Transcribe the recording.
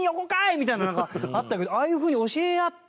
みたいなのなんか、あったけどああいう風に教え合って。